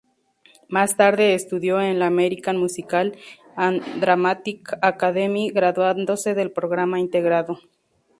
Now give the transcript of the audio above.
Más tarde estudió en la American Musical and Dramatic Academy, graduándose del programa integrado.